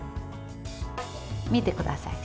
見てください。